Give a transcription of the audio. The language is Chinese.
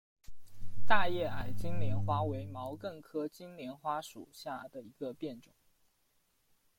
大叶矮金莲花为毛茛科金莲花属下的一个变种。